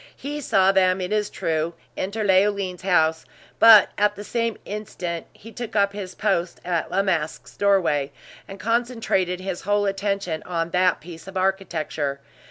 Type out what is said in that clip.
He saw them, it is true, enter Leoline's house, but at the same instant, he took up his post at La Masque's doorway, and concentrated his whole attention on that piece of architecture.